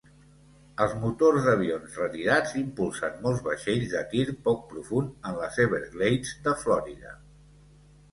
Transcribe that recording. Els motors d'avions retirats impulsen molts vaixells de tir poc profund en els Everglades de Florida.